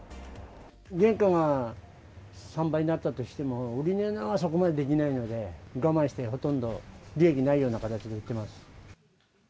原価が３倍になったとしても、売り値のほうはそこまでできないので、我慢して、ほとんど利益ないような形で売ってます。